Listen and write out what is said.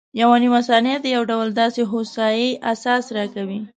یوه نیمه ثانیه د یو ډول داسې هوسایي احساس راکوي.